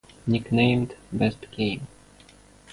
Nicknamed Best Game...